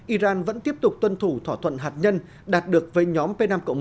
iran vẫn tiếp tục tuân thủ thỏa thuận hạt nhân đạt được với nhóm p năm một